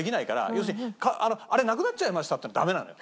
要するにあれ「なくなっちゃいました」っていうのはダメなのよ。